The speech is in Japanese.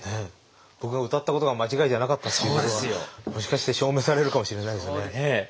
僕が歌ったことは間違いじゃなかったっていうことがもしかして証明されるかもしれないですね。